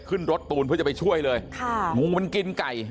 ขึ้นรถตูนเพื่อจะไปช่วยเลยค่ะงูมันกินไก่